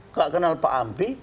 nggak kenal pak ampi